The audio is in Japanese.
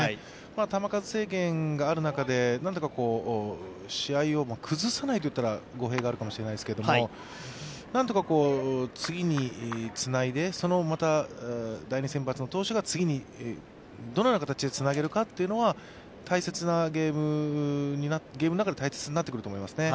球数制限がある中で、なんとか試合を崩さないといったら語弊があるかもしれませんけどなんとか次につないで、第２先発の投手が次にどのような形でつなげるかというのは、ゲームの中で大切になってくると思いますね。